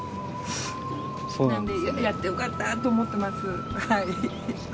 なんでやってよかったと思ってます。